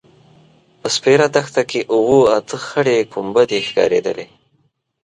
په سپېره دښته کې اوه – اته خړې کومبدې ښکارېدلې.